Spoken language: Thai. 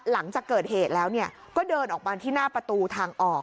หลังจากเกิดเหตุแล้วก็เดินออกมาที่หน้าประตูทางออก